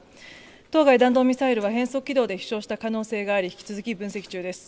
当該弾道ミサイルを変則軌道で飛しょうした可能性があり引き続き分析中です。